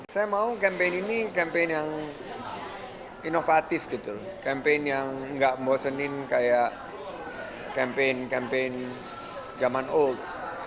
saya mau kampanye ini yang inovatif gitu loh kampanye yang gak membosenin kayak kampanye kampanye zaman old